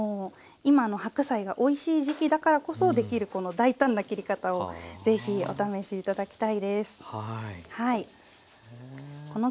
今の白菜がおいしい時期だからこそできるこの大胆な切り方を是非お試し頂きたいです。